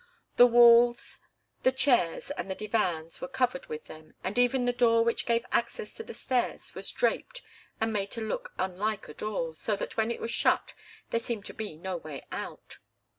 The walls, the chairs and the divans were covered with them, and even the door which gave access to the stairs was draped and made to look unlike a door, so that when it was shut there seemed to be no way out.